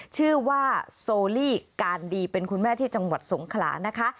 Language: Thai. ชื่อว่าโซลี่การดีเป็นคุณแม่ที่จังหวัดสงขลานะคะ